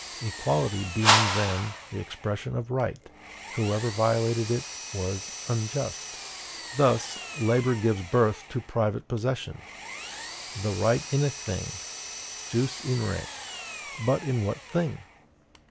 Equality being then the expression of right, whoever violated it was UNJUST. Thus, labor gives birth to private possession; the right in a thing jus in re. But in what thing?